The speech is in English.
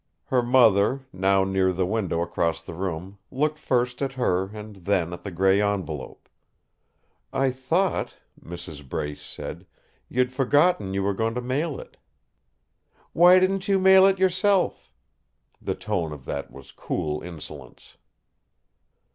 Her mother, now near the window across the room, looked first at her and then at the grey envelope. "I thought," Mrs. Brace said, "you'd forgotten you were going to mail it." "Why didn't you mail it yourself?" The tone of that was cool insolence.